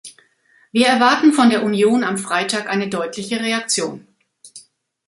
Wir erwarten von der Union am Freitag eine deutliche Reaktion.